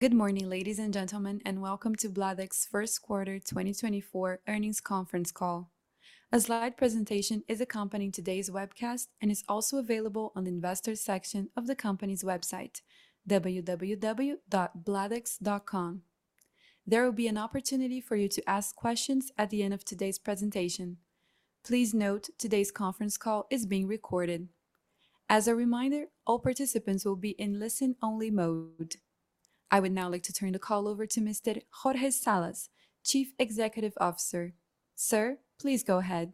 Good morning, ladies and gentlemen, and welcome to Bladex First Quarter 2024 Earnings Conference Call. A slide presentation is accompanying today's webcast and is also available on the investor section of the company's website, www.bladex.com. There will be an opportunity for you to ask questions at the end of today's presentation. Please note, today's conference call is being recorded. As a reminder, all participants will be in listen-only mode. I would now like to turn the call over to Mr. Jorge Salas, Chief Executive Officer. Sir, please go ahead.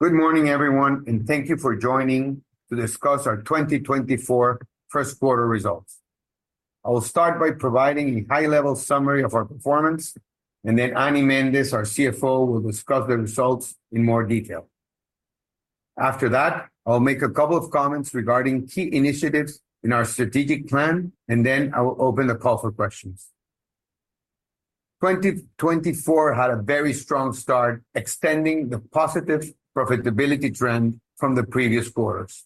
Good morning, everyone, and thank you for joining to discuss our 2024 first quarter results. I will start by providing a high-level summary of our performance, and then Annie Méndez, our CFO, will discuss the results in more detail. After that, I'll make a couple of comments regarding key initiatives in our strategic plan, and then I will open the call for questions. 2024 had a very strong start, extending the positive profitability trend from the previous quarters.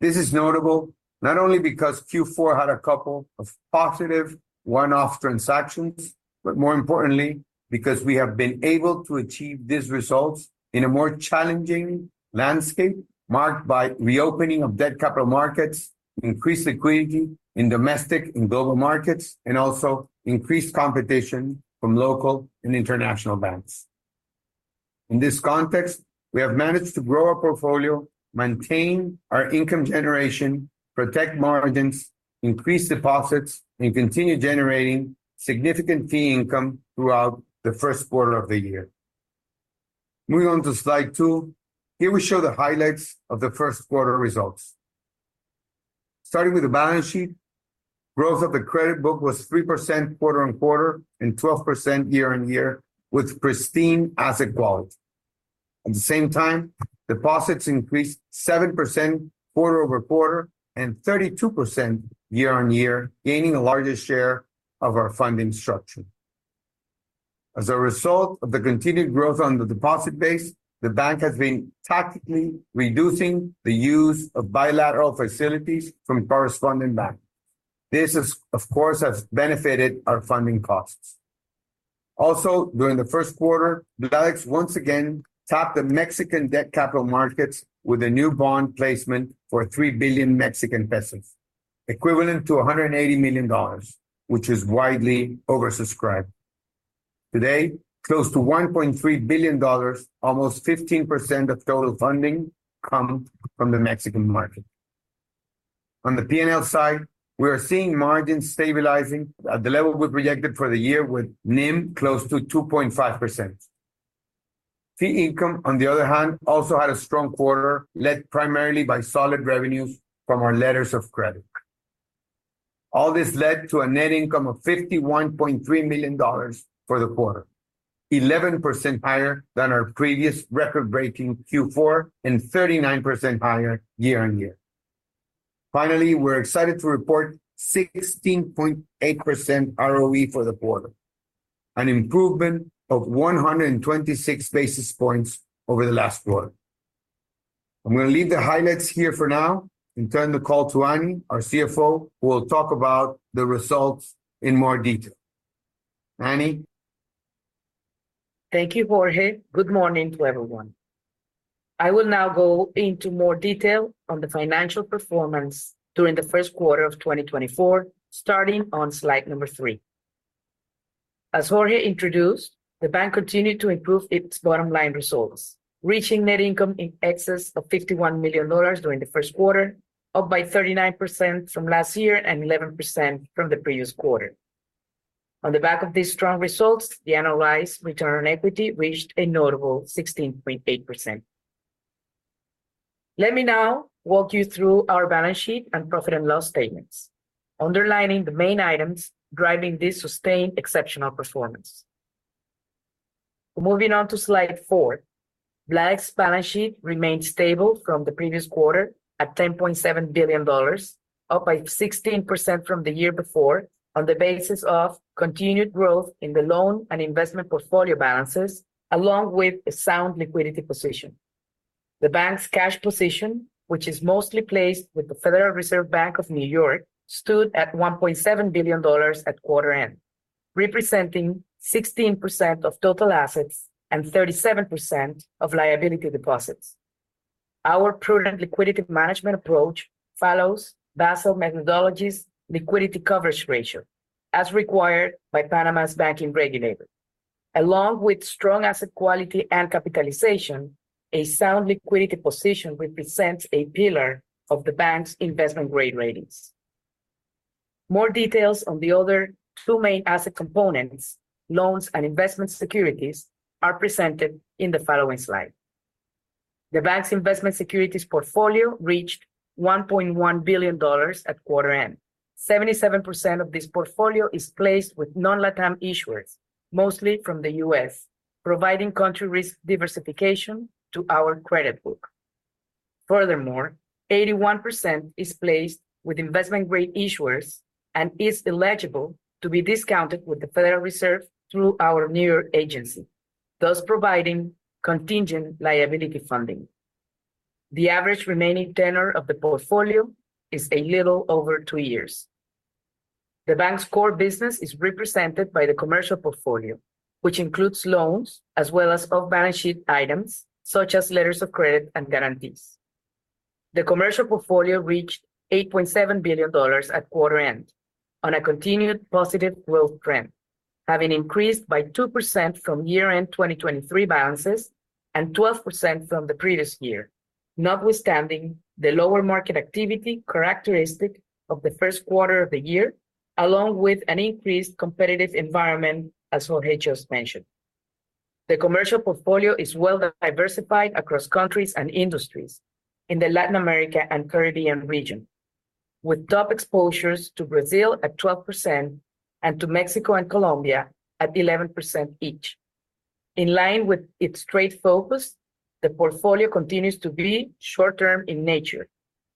This is notable not only because Q4 had a couple of positive one-off transactions, but more importantly, because we have been able to achieve these results in a more challenging landscape, marked by reopening of debt capital markets, increased liquidity in domestic and global markets, and also increased competition from local and international banks. In this context, we have managed to grow our portfolio, maintain our income generation, protect margins, increase deposits, and continue generating significant fee income throughout the first quarter of the year. Moving on to slide two, here we show the highlights of the first quarter results. Starting with the balance sheet, growth of the credit book was 3% quarter-over-quarter and 12% year-over-year, with pristine asset quality. At the same time, deposits increased 7% quarter-over-quarter and 32% year-over-year, gaining a larger share of our funding structure. As a result of the continued growth on the deposit base, the bank has been tactically reducing the use of bilateral facilities from correspondent banks. This has, of course, benefited our funding costs. Also, during the first quarter, Bladex once again tapped the Mexican debt capital markets with a new bond placement for 3 billion Mexican pesos, equivalent to $180 million, which is widely oversubscribed. Today, close to $1.3 billion, almost 15% of total funding, come from the Mexican market. On the P&L side, we are seeing margins stabilizing at the level we projected for the year, with NIM close to 2.5%. Fee income, on the other hand, also had a strong quarter, led primarily by solid revenues from our letters of credit. All this led to a net income of $51.3 million for the quarter, 11% higher than our previous record-breaking Q4 and 39% higher year-on-year. Finally, we're excited to report 16.8% ROE for the quarter, an improvement of 126 basis points over the last quarter. I'm gonna leave the highlights here for now and turn the call to Annie, our CFO, who will talk about the results in more detail. Annie? Thank you, Jorge. Good morning to everyone. I will now go into more detail on the financial performance during the first quarter of 2024, starting on slide number three. As Jorge introduced, the bank continued to improve its bottom line results, reaching net income in excess of $51 million during the first quarter, up by 39% from last year and 11% from the previous quarter. On the back of these strong results, the annualized return on equity reached a notable 16.8%. Let me now walk you through our balance sheet and profit and loss statements, underlining the main items driving this sustained exceptional performance. Moving on to slide four, Bladex balance sheet remained stable from the previous quarter at $10.7 billion, up by 16% from the year before, on the basis of continued growth in the loan and investment portfolio balances, along with a sound liquidity position. The bank's cash position, which is mostly placed with the Federal Reserve Bank of New York, stood at $1.7 billion at quarter end, representing 16% of total assets and 37% of liability deposits. Our prudent liquidity management approach follows Basel methodologies Liquidity Coverage Ratio, as required by Panama's banking regulator. Along with strong asset quality and capitalization, a sound liquidity position represents a pillar of the bank's investment-grade ratings. More details on the other two main asset components, loans and investment securities, are presented in the following slide. The bank's investment securities portfolio reached $1.1 billion at quarter end. 77% of this portfolio is placed with non-LATAM issuers, mostly from the U.S., providing country risk diversification to our credit book. Furthermore, 81% is placed with investment-grade issuers and is eligible to be discounted with the Federal Reserve through our New York Agency, thus providing contingent liability funding. The average remaining tenor of the portfolio is a little over two years. The bank's core business is represented by the Commercial Portfolio, which includes loans as well as off-balance sheet items, such as letters of credit and guarantees. The Commercial Portfolio reached $8.7 billion at quarter end, on a continued positive growth trend, having increased by 2% from year-end 2023 balances and 12% from the previous year, notwithstanding the lower market activity characteristic of the first quarter of the year, along with an increased competitive environment, as Jorge just mentioned. The Commercial Portfolio is well diversified across countries and industries in the Latin America and Caribbean region, with top exposures to Brazil at 12% and to Mexico and Colombia at 11% each. In line with its trade focus, the portfolio continues to be short-term in nature,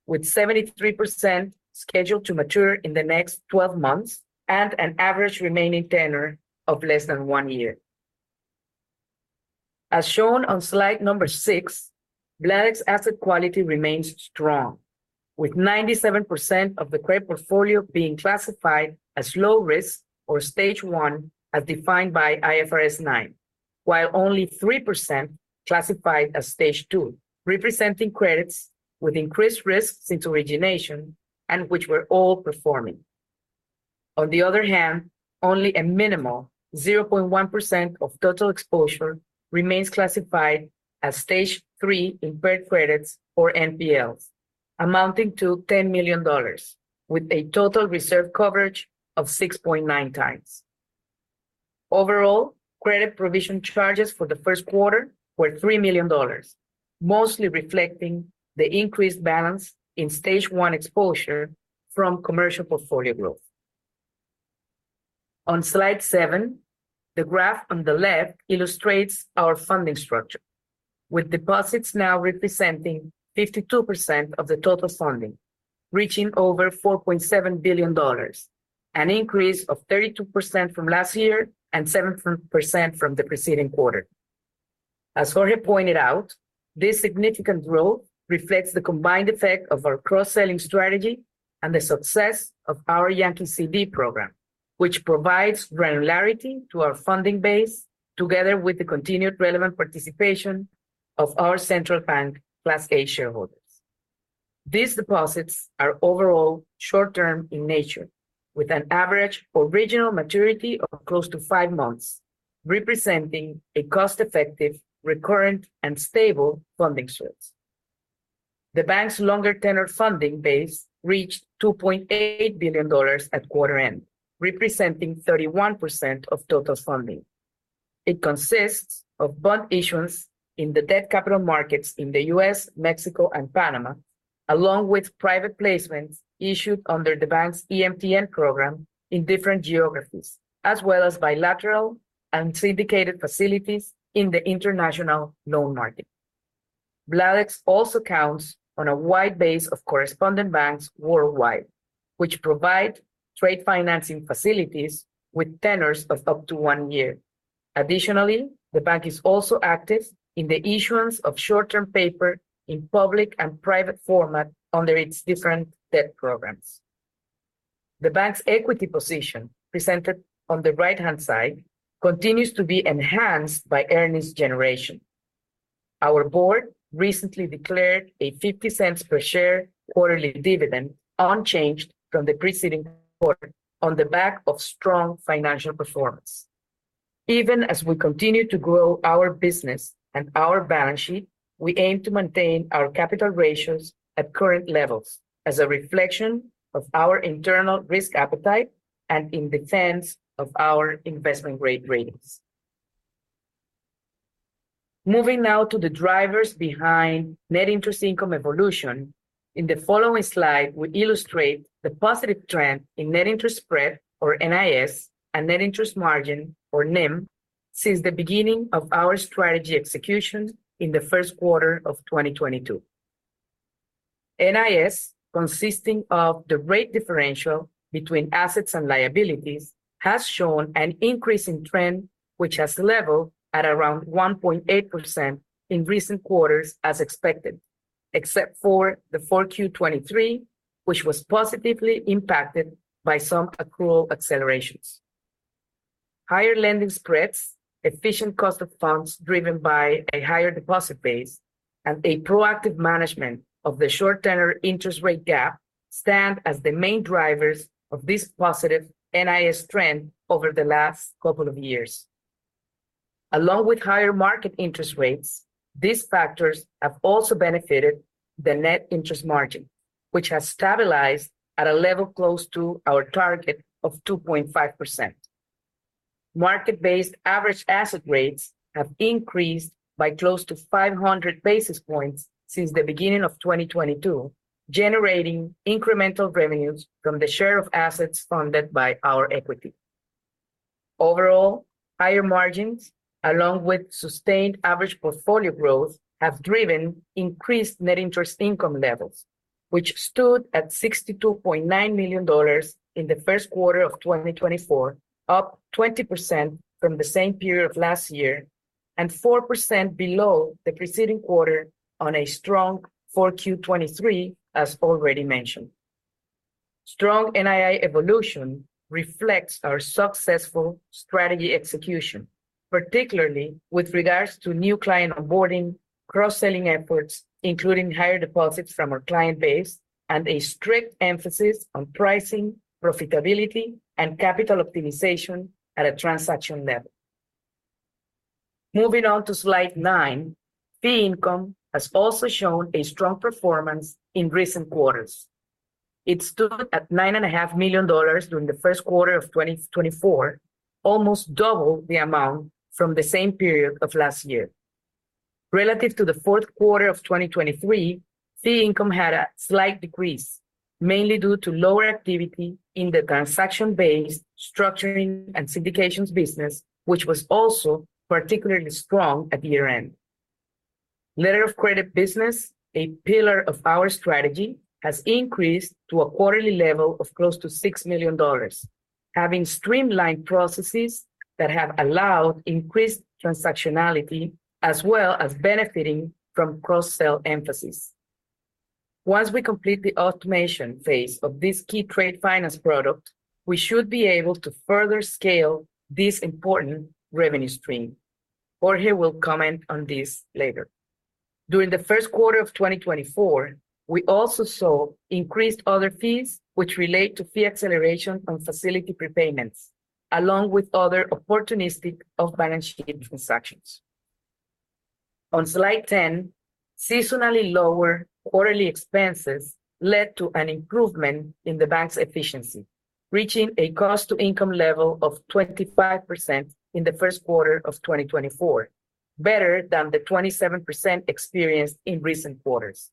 with 73% scheduled to mature in the next 12 months, and an average remaining tenor of less than one year. As shown on slide six, Bladex asset quality remains strong, with 97% of the credit portfolio being classified as low risk or Stage 1, as defined by IFRS 9, while only 3% classified as Stage 2, representing credits with increased risk since origination and which were all performing. On the other hand, only a minimal 0.1% of total exposure remains classified as Stage 3 impaired credits or NPLs, amounting to $10 million, with a total reserve coverage of 6.9x. Overall, credit provision charges for the first quarter were $3 million, mostly reflecting the increased balance in Stage 1 exposure from Commercial Portfolio growth. On slide seven, the graph on the left illustrates our funding structure, with deposits now representing 52% of the total funding, reaching over $4.7 billion, an increase of 32% from last year and 7% from the preceding quarter. As Jorge pointed out, this significant growth reflects the combined effect of our cross-selling strategy and the success of our Yankee CD program, which provides regularity to our funding base, together with the continued relevant participation of our central bank Class A shareholders. These deposits are overall short-term in nature, with an average original maturity of close to five months, representing a cost-effective, recurrent, and stable funding source. The bank's longer tenor funding base reached $2.8 billion at quarter end, representing 31% of total funding. It consists of bond issuance in the debt capital markets in the U.S., Mexico, and Panama, along with private placements issued under the bank's EMTN program in different geographies, as well as bilateral and syndicated facilities in the international loan market. Bladex also counts on a wide base of correspondent banks worldwide, which provide trade financing facilities with tenors of up to one year. Additionally, the bank is also active in the issuance of short-term paper in public and private format under its different debt programs. The bank's equity position, presented on the right-hand side, continues to be enhanced by earnings generation. Our board recently declared a $0.50 per share quarterly dividend, unchanged from the preceding quarter, on the back of strong financial performance. Even as we continue to grow our business and our balance sheet, we aim to maintain our capital ratios at current levels as a reflection of our internal risk appetite and in defense of our investment-grade ratings. Moving now to the drivers behind net interest income evolution, in the following slide, we illustrate the positive trend in net interest spread, or NIS, and net interest margin, or NIM, since the beginning of our strategy execution in the first quarter of 2022. NIS, consisting of the rate differential between assets and liabilities, has shown an increasing trend, which has leveled at around 1.8% in recent quarters, as expected, except for the 4Q 2023, which was positively impacted by some accrual accelerations. Higher lending spreads, efficient cost of funds driven by a higher deposit base, and a proactive management of the short-term interest rate gap stand as the main drivers of this positive NIS trend over the last couple of years. Along with higher market interest rates, these factors have also benefited the net interest margin, which has stabilized at a level close to our target of 2.5%. Market-based average asset rates have increased by close to 500 basis points since the beginning of 2022, generating incremental revenues from the share of assets funded by our equity. Overall, higher margins, along with sustained average portfolio growth, have driven increased net interest income levels.... which stood at $62.9 million in the first quarter of 2024, up 20% from the same period of last year, and 4% below the preceding quarter on a strong 4Q23, as already mentioned. Strong NII evolution reflects our successful strategy execution, particularly with regards to new client onboarding, cross-selling efforts, including higher deposits from our client base, and a strict emphasis on pricing, profitability, and capital optimization at a transaction level. Moving on to slide nine, fee income has also shown a strong performance in recent quarters. It stood at $9.5 million during the first quarter of 2024, almost double the amount from the same period of last year. Relative to the fourth quarter of 2023, fee income had a slight decrease, mainly due to lower activity in the transaction-based structuring and syndications business, which was also particularly strong at year-end. Letters of credit business, a pillar of our strategy, has increased to a quarterly level of close to $6 million, having streamlined processes that have allowed increased transactionality, as well as benefiting from cross-sell emphasis. Once we complete the automation phase of this key trade finance product, we should be able to further scale this important revenue stream. Jorge will comment on this later. During the first quarter of 2024, we also saw increased other fees, which relate to fee acceleration on facility prepayments, along with other opportunistic off-balance sheet transactions. On slide 10, seasonally lower quarterly expenses led to an improvement in the bank's efficiency, reaching a cost-to-income level of 25% in the first quarter of 2024, better than the 27% experienced in recent quarters.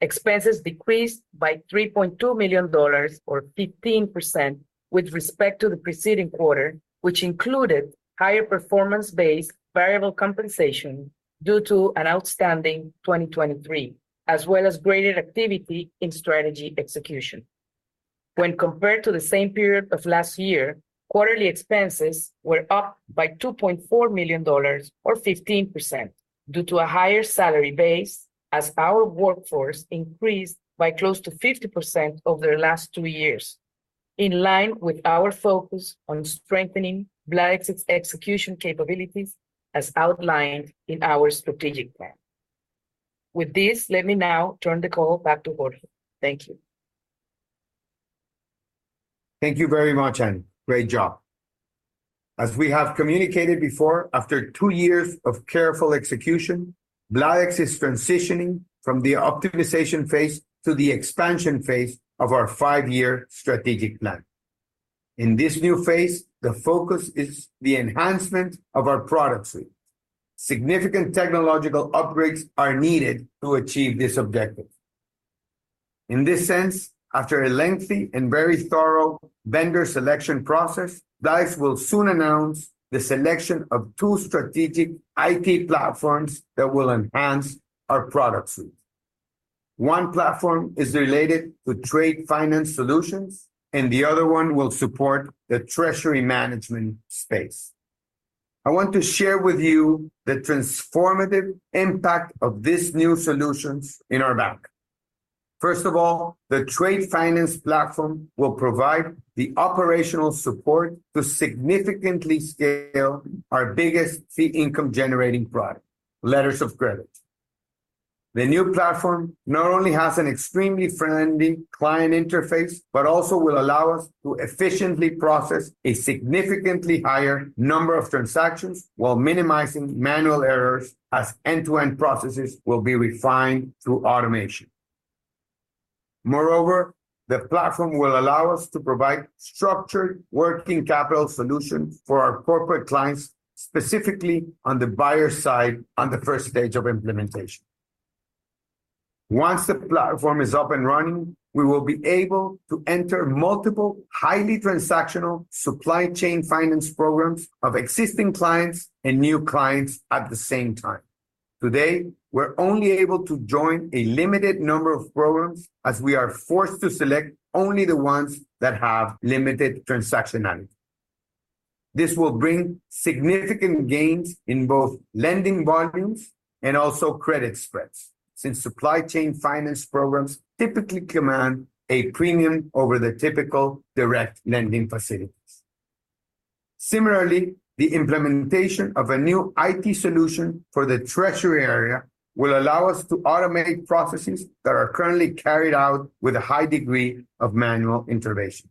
Expenses decreased by $3.2 million or 15% with respect to the preceding quarter, which included higher performance-based variable compensation due to an outstanding 2023, as well as greater activity in strategy execution. When compared to the same period of last year, quarterly expenses were up by $2.4 million or 15% due to a higher salary base, as our workforce increased by close to 50% over the last two years, in line with our focus on strengthening Bladex's execution capabilities as outlined in our strategic plan. With this, let me now turn the call back to Jorge. Thank you. Thank you very much, Annie. Great job! As we have communicated before, after two years of careful execution, Bladex is transitioning from the optimization phase to the expansion phase of our five-year strategic plan. In this new phase, the focus is the enhancement of our product suite. Significant technological upgrades are needed to achieve this objective. In this sense, after a lengthy and very thorough vendor selection process, Bladex will soon announce the selection of two strategic IT platforms that will enhance our product suite. One platform is related to trade finance solutions, and the other one will support the treasury management space. I want to share with you the transformative impact of these new solutions in our bank. First of all, the trade finance platform will provide the operational support to significantly scale our biggest fee income-generating product, letters of credit. The new platform not only has an extremely friendly client interface, but also will allow us to efficiently process a significantly higher number of transactions while minimizing manual errors, as end-to-end processes will be refined through automation. Moreover, the platform will allow us to provide structured working capital solutions for our corporate clients, specifically on the buyer side, on the first stage of implementation. Once the platform is up and running, we will be able to enter multiple highly transactional supply chain finance programs of existing clients and new clients at the same time. Today, we're only able to join a limited number of programs, as we are forced to select only the ones that have limited transactionality. This will bring significant gains in both lending volumes and also credit spreads, since supply chain finance programs typically command a premium over the typical direct lending facilities. Similarly, the implementation of a new IT solution for the treasury area will allow us to automate processes that are currently carried out with a high degree of manual intervention.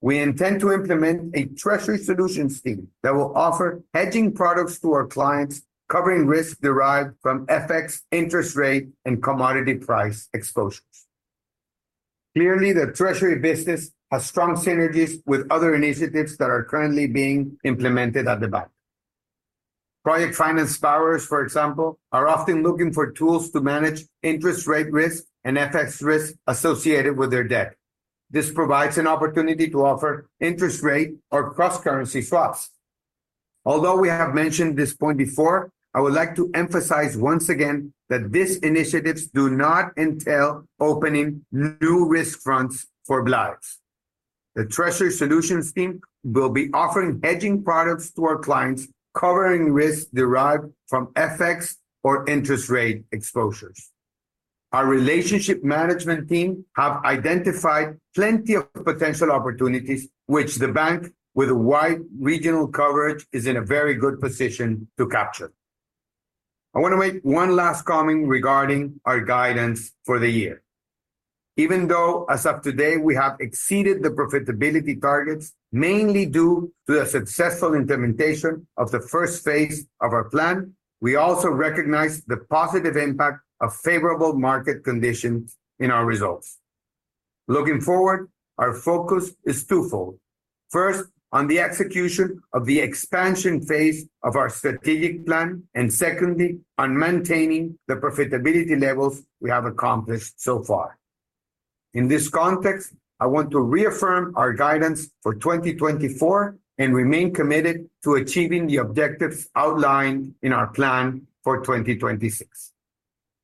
We intend to implement a treasury solutions team that will offer hedging products to our clients, covering risks derived from FX interest rate and commodity price exposures. Clearly, the treasury business has strong synergies with other initiatives that are currently being implemented at the bank. Project finance borrowers, for example, are often looking for tools to manage interest rate risk and FX risk associated with their debt. This provides an opportunity to offer interest rate or cross-currency swaps.... Although we have mentioned this point before, I would like to emphasize once again that these initiatives do not entail opening new risk fronts for Bladex. The treasury solutions team will be offering hedging products to our clients, covering risks derived from FX or interest rate exposures. Our relationship management team have identified plenty of potential opportunities, which the bank, with wide regional coverage, is in a very good position to capture. I wanna make one last comment regarding our guidance for the year. Even though, as of today, we have exceeded the profitability targets, mainly due to the successful implementation of the first phase of our plan, we also recognize the positive impact of favorable market conditions in our results. Looking forward, our focus is twofold: first, on the execution of the expansion phase of our strategic plan, and secondly, on maintaining the profitability levels we have accomplished so far. In this context, I want to reaffirm our guidance for 2024, and remain committed to achieving the objectives outlined in our plan for 2026.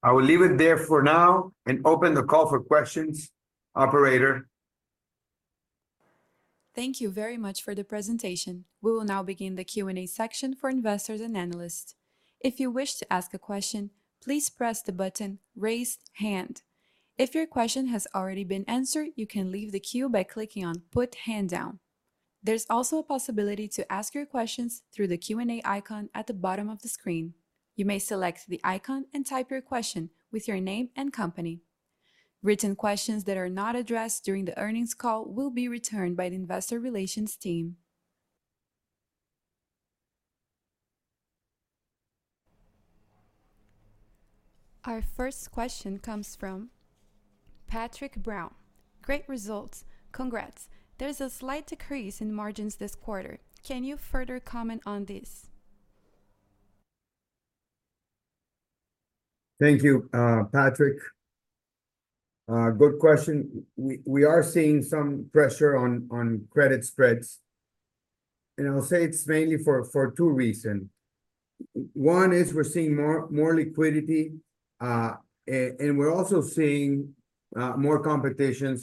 I will leave it there for now, and open the call for questions. Operator? Thank you very much for the presentation. We will now begin the Q&A section for investors and analysts. If you wish to ask a question, please press the button, Raise Hand. If your question has already been answered, you can leave the queue by clicking on Put Hand Down. There's also a possibility to ask your questions through the Q&A icon at the bottom of the screen. You may select the icon and type your question with your name and company. Written questions that are not addressed during the earnings call will be returned by the investor relations team. Our first question comes from Patrick Brown. Great results. Congrats. There's a slight decrease in margins this quarter. Can you further comment on this? Thank you, Patrick. Good question. We are seeing some pressure on credit spreads, and I'll say it's mainly for two reasons. One is we're seeing more liquidity, and we're also seeing more competition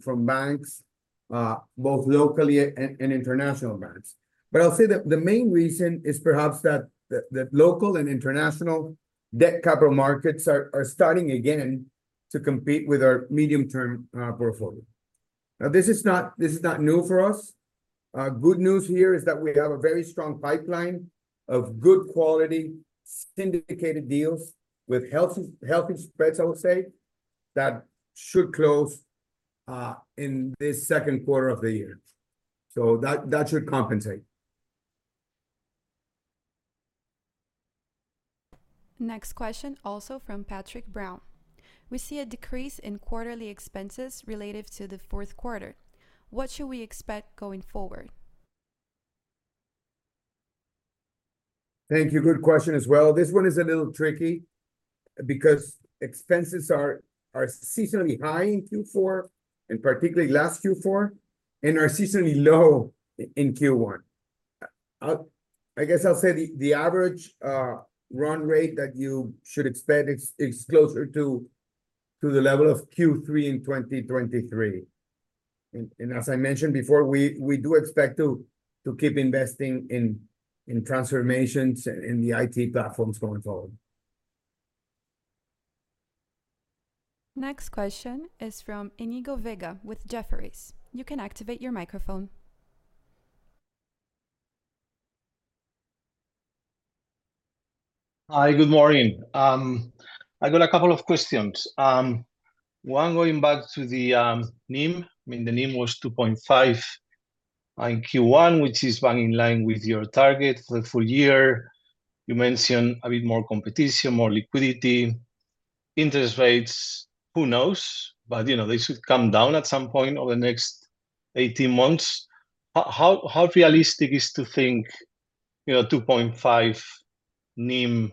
from banks, both local and international banks. But I'll say the main reason is perhaps that the local and international debt capital markets are starting again to compete with our medium-term portfolio. Now, this is not new for us. Good news here is that we have a very strong pipeline of good quality, syndicated deals with healthy spreads, I would say, that should close in the second quarter of the year. So that should compensate. Next question, also from Patrick Brown: We see a decrease in quarterly expenses relative to the fourth quarter. What should we expect going forward? Thank you. Good question as well. This one is a little tricky, because expenses are seasonally high in Q4, and particularly last Q4, and are seasonally low in Q1. I guess I'll say the average run rate that you should expect is closer to the level of Q3 in 2023. And as I mentioned before, we do expect to keep investing in transformations in the IT platforms going forward. Next question is from Iñigo Vega with Jefferies. You can activate your microphone. Hi, good morning. I got a couple of questions. One, going back to the NIM. I mean, the NIM was 2.5 in Q1, which is running in line with your target for the full year. You mentioned a bit more competition, more liquidity. Interest rates, who knows? But, you know, they should come down at some point over the next 18 months. How realistic is to think, you know, 2.5 NIM,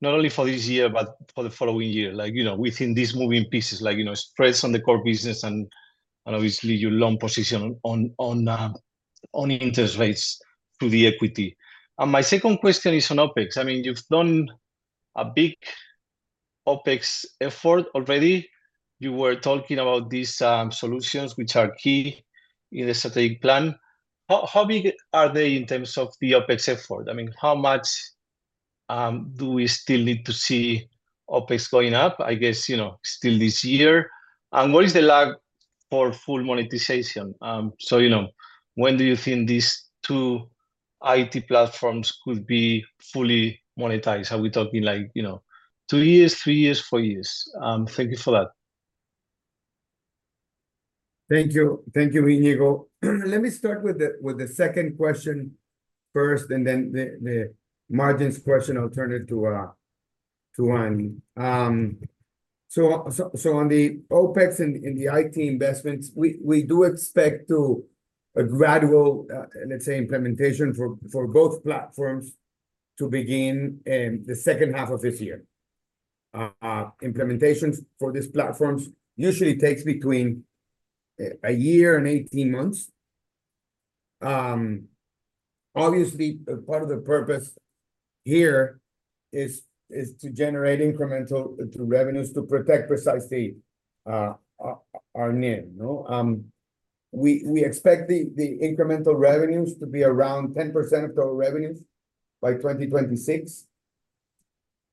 not only for this year, but for the following year? Like, you know, within these moving pieces, like, you know, spreads on the core business and, and obviously your loan position on, on, on interest rates to the equity. And my second question is on OpEx. I mean, you've done a big OpEx effort already. You were talking about these solutions, which are key in the strategic plan. How big are they in terms of the OpEx effort? I mean, how much do we still need to see OpEx going up, I guess, you know, still this year? And what is the lag for full monetization? So, you know, when do you think these two IT platforms could be fully monetized? Are we talking, like, you know, two years, three years, four years? Thank you for that. Thank you. Thank you, Iñigo. Let me start with the second question first, and then the margins question, I' ll turn it to Annie. So on the OpEx and the IT investments, we do expect a gradual, let's say, implementation for both platforms to begin in the second half of this year. Implementations for these platforms usually takes between a year and 18 months. Obviously, part of the purpose here is to generate incremental revenues to protect precisely our NIM, no? We expect the incremental revenues to be around 10% of total revenues by 2026.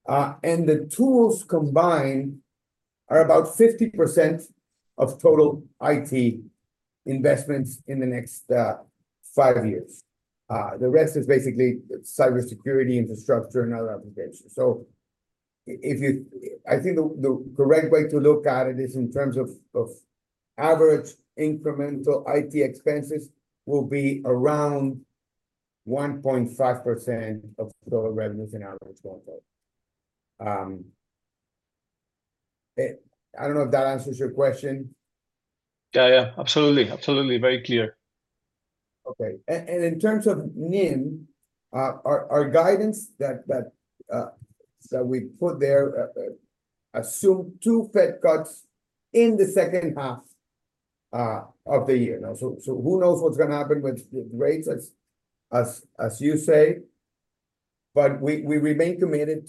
And the tools combined are about 50% of total IT investments in the next five years. The rest is basically cybersecurity, infrastructure, and other applications. So if you—I think the correct way to look at it is in terms of average incremental IT expenses will be around 1.5% of total revenues and average going forward. I don't know if that answers your question. Yeah, yeah. Absolutely. Absolutely, very clear. Okay. And in terms of NIM, our guidance that we put there assumed two Fed cuts in the second half of the year. Now, so who knows what's gonna happen with the rates as you say, but we remain committed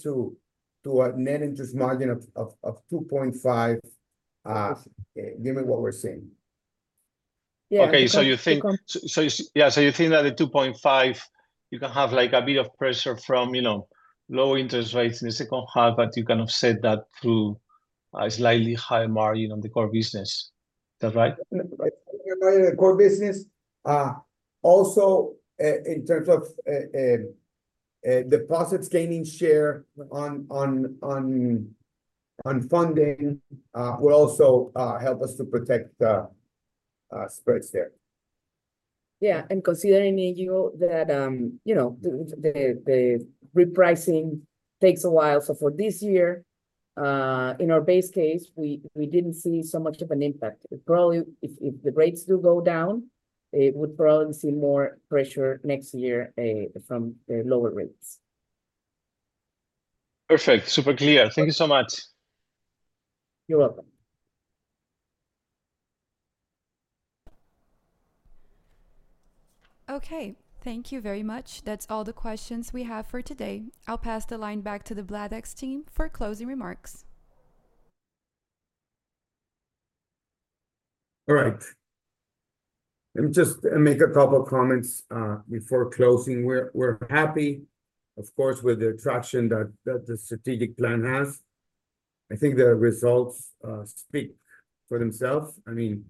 to a net interest margin of 2.5 given what we're seeing. Yeah, because- Okay, so you think... So, yeah, so you think that the 2.5, you can have, like, a bit of pressure from, you know, low interest rates in the second half, but you kind of set that through a slightly higher margin on the core business. Is that right? Right. The core business also, in terms of deposits gaining share on funding, will also help us to protect the spreads there. Yeah, and considering, Iñigo, that you know, the repricing takes a while. So for this year, in our base case, we didn't see so much of an impact. It probably. If the rates do go down, it would probably see more pressure next year, eh, from the lower rates. Perfect. Super clear. Thank you so much. You're welcome. Okay, thank you very much. That's all the questions we have for today. I'll pass the line back to the Bladex team for closing remarks. All right. Let me just make a couple of comments before closing. We're happy, of course, with the traction that the strategic plan has. I think the results speak for themselves. I mean,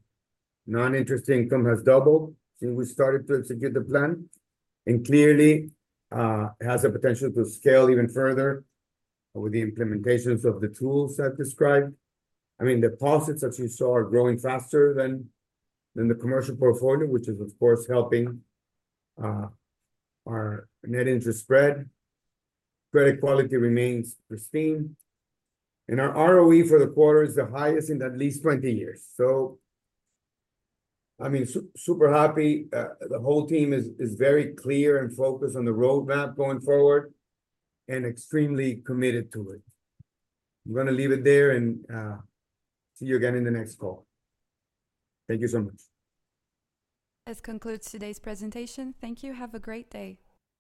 non-interest income has doubled since we started to execute the plan, and clearly, it has the potential to scale even further with the implementations of the tools I've described. I mean, deposits, as you saw, are growing faster than the Commercial Portfolio, which is, of course, helping our net interest spread. Credit quality remains pristine, and our ROE for the quarter is the highest in at least 20 years. So, I mean, super happy. The whole team is very clear and focused on the roadmap going forward, and extremely committed to it. I'm gonna leave it there, and see you again in the next call. Thank you so much. This concludes today's presentation. Thank you. Have a great day.